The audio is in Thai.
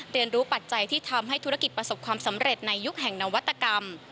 เรียนรู้ปัจจัยที่ทำให้ธุรกิจประสบความสำเร็จในยุคแห่งนวัตกรรม